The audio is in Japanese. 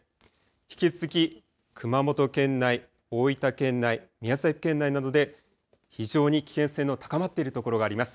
引き続き熊本県内、大分県内、宮崎県内などで非常に危険性の高まっているところがあります。